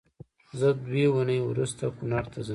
زه دوې اونۍ روسته کونړ ته ځم